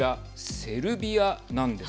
セルビアなんです。